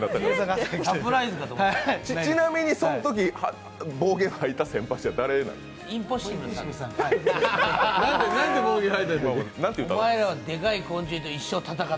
ちなみにそのとき、暴言はいた先輩って誰なんですか。